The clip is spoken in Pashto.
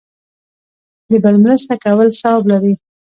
د بل مرسته کول ثواب لري